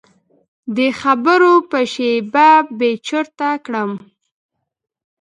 دې خبرو به شیبه بې چرته کړم.